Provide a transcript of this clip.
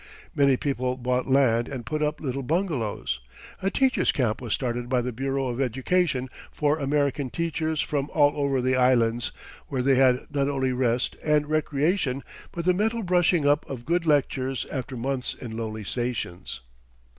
Many people bought land and put up little bungalows. A teachers' camp was started by the Bureau of Education for American teachers from all over the Islands, where they had not only rest and recreation but the mental brushing up of good lectures after months in lonely stations.